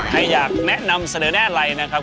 ใครอยากแนะนำเสนอแน่อะไรนะครับ